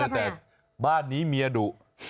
แต่บ้านนี้เมียดุ